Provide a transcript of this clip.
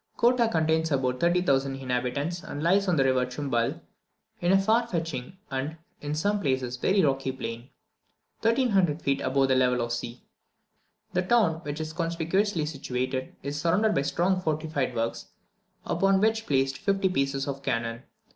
Kottah contains about 30,000 inhabitants, and lies on the river Chumbal, in a far stretching and, in some places, very rocky plain, 1,300 feet above the level of the sea. The town, which is conspicuously situated, is surrounded by strong fortified works, upon which are placed fifty pieces of cannon.